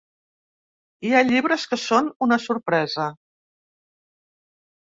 Hi ha llibres que són una sorpresa.